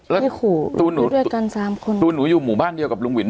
อ๋อแล้วที่ขู่ด้วยกันสามคนตูนหนูอยู่หมู่บ้านเดียวกับลุงหวิน